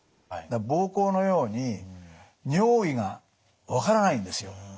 膀胱のように尿意が分からないんですよ。